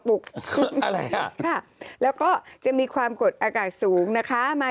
ภาคสัวนออกภาคใต้ก็มีความกดอากาศสูงเข้ามา